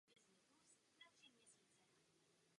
Velitelská věž byla zcela bez ochrany.